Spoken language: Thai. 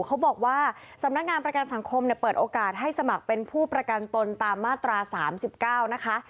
เขาบอกว่าสำนักงานประกันสังคมเปิดโอกาสให้สมัครเป็นผู้ประกันตนตามมาตรา๓๙นะคะ